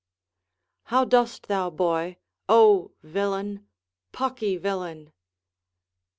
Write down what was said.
_] How dost thou, boy? O villain, pocky villain!